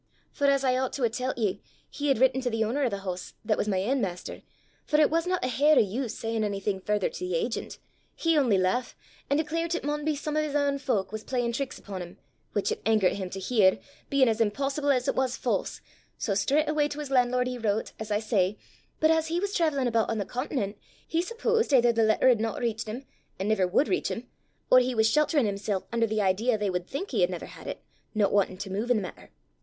"For, as I oucht to hae tellt ye, he had written to the owner o' the hoose, that was my ain maister for it wasna a hair o' use sayin' onything further to the agent; he only leuch, an' declaret it maun be some o' his ain folk was playin' tricks upo' him which it angert him to hear, bein' as impossible as it was fause; sae straucht awa' to his lan'lord he wrote, as I say; but as he was traivellin' aboot on the continent, he supposed either the letter had not reached him, an' never wud reach him, or he was shelterin' himsel' under the idea they wud think he had never had it, no wantin' to move in the matter.